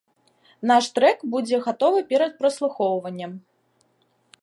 Наш трэк будзе гатовы перад праслухоўваннем.